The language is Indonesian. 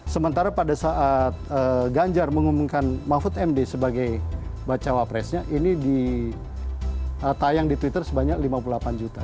sementara pada saat ganjar mengumumkan mahfud md sebagai bacawa presnya ini ditayang di twitter sebanyak lima puluh delapan juta